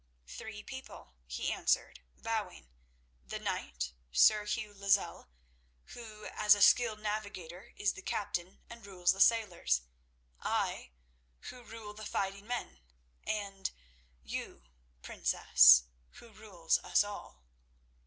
"Three people," he answered, bowing. "The knight, Sir Hugh Lozelle, who, as a skilled navigator, is the captain and rules the sailors; I, who rule the fighting men; and you, Princess, who rule us all."